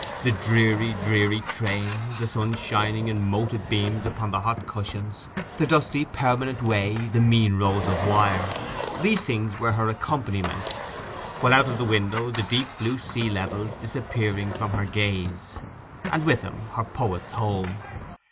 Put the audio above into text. The dreary, dreary train; the sun shining in moted beams upon the hot cushions; the dusty permanent way; the mean rows of wire—these things were her accompaniment: while out of the window the deep blue sea levels disappeared from her gaze, and with them her poet's home.